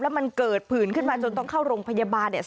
มันเกิดผื่นขึ้นมาจนต้องเข้าโรงพยาบาลเนี่ย